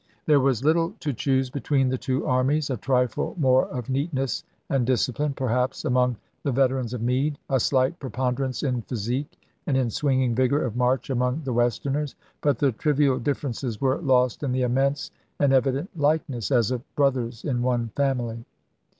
There was little to choose between the two armies: a trifle more of neatness and discipline, perhaps, among the veterans of Meade ; a slight preponderance in physique and in swinging vigor of march among the Westerners; but the trivial differences were lost in the immense and evident likeness, as of brothers in one family.